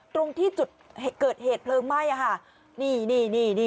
ตรงที่เกิดเหตุเพลิงไหม้